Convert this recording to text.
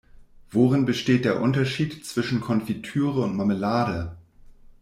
Worin besteht der Unterschied zwischen Konfitüre und Marmelade?